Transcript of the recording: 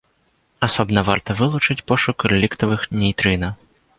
Асобна варта вылучыць пошук рэліктавых нейтрына.